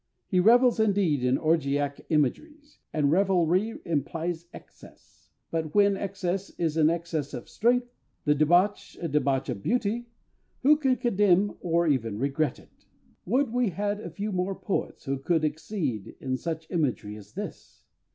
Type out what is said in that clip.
He revels indeed in "orgiac imageries," and revelry implies excess. But when excess is an excess of strength, the debauch a debauch of beauty, who can condemn or even regret it? Would we had a few more poets who could exceed in such imagery as this!